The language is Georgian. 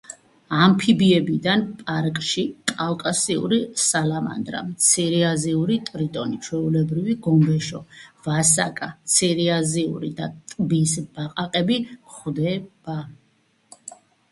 ამფიბიებიდან პარკში კავკასიური სალამანდრა, მცირეაზიური ტრიტონი, ჩვეულებრივი გომბეშო, ვასაკა, მცირეაზიური და ტბის ბაყაყები გვხვდება.